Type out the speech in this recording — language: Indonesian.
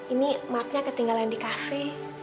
ini maafnya ketinggalan di kafe